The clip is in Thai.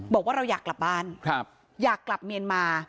บอกว่าเราอยากกลับบ้านอยากกลับเมียนมา